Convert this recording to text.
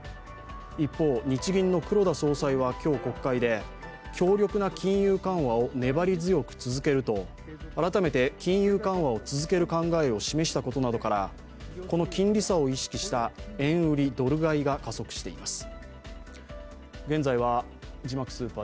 一方、日銀の黒田総裁は今日、国会で強力な金融緩和を粘り強く続けると改めて金融緩和を続ける考えを示したことなどからこの金利差を意識した円売りドル買いが加速しています。